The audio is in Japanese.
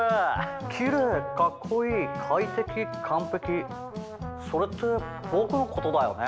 きれいかっこいい快適完璧それって僕のことだよね？